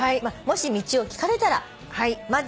もし道を聞かれたら。